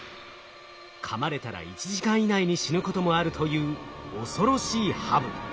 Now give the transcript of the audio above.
かまれたら１時間以内に死ぬこともあるという恐ろしいハブ。